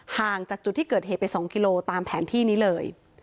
ห่างจากจุดที่เกิดเหตุไป๒กิโลตามแผนที่นี้เลย